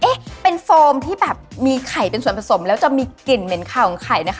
เอ๊ะเป็นโฟมที่แบบมีไข่เป็นส่วนผสมแล้วจะมีกลิ่นเหม็นข่าวของไข่นะคะ